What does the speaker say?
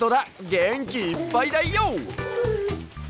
げんきいっぱいだＹＯ！